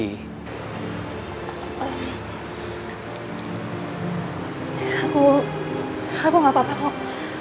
aku aku gak apa apa kok